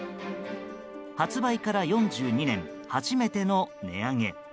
発売から４２年初めての値上げ。